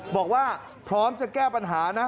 บอกว่าพร้อมจะแก้ปัญหานะ